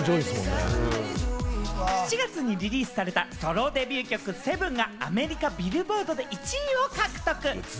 ７月にリリースされたソロデビュー曲『Ｓｅｖｅｎ』がアメリカ、ビルボードで１位を獲得。